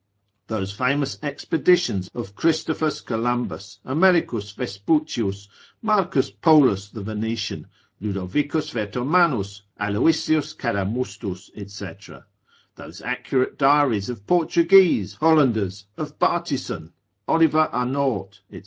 Those famous expeditions of Christoph. Columbus, Americus Vespucius, Marcus Polus the Venetian, Lod. Vertomannus, Aloysius Cadamustus, &c.? Those accurate diaries of Portuguese, Hollanders, of Bartison, Oliver a Nort, &c.